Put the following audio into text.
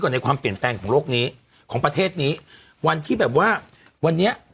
ในความเปลี่ยนแปลงของโลกนี้ของประเทศนี้วันที่แบบว่าวันนี้